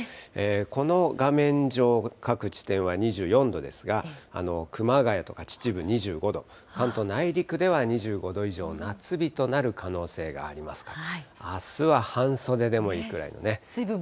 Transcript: この画面上、各地では２４度ですが、熊谷とか秩父２５度、関東内陸では２５度以上、夏日となる可能性がありますから、あすは半袖でもいいくらいのね。